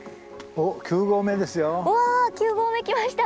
うわ九合目来ました。